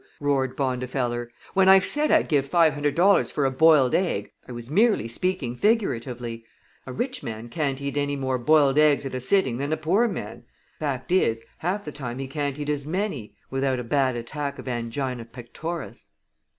roared Bondifeller. "When I said I'd give five hundred dollars for a boiled egg I was merely speaking figuratively. A rich man can't eat any more boiled eggs at a sitting than a poor man; fact is, half the time he can't eat as many without a bad attack of angina pectoris."